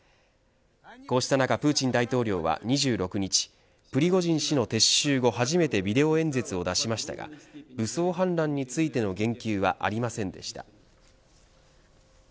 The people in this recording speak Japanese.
こうした中プーチン大統領は２６日プリゴジン氏の撤収後初めてビデオ演説を出しましたが武装反乱についての言及はありませんでした。